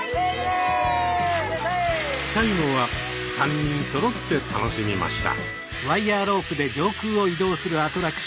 最後は３人そろって楽しみました。